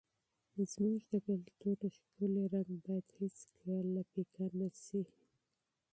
زموږ د کلتور ښکلی رنګ باید هېڅکله پیکه نه سي.